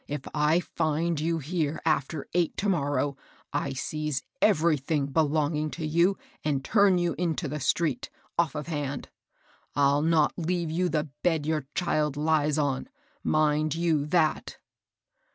If I find you here after eight to mor row, I seize everything belonging to you, and turn you into the street, off of hand. I'll not leave you the bed your child lies on, — mind you that."